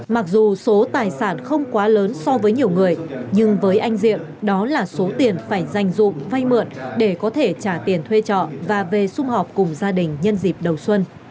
mặc dù số tài sản không quá lớn so với nhiều người nhưng với anh diệm đó là số tiền phải dành dụng vay mượn để có thể trả tiền thuê trọ và về xung họp cùng gia đình nhân dịp đầu xuân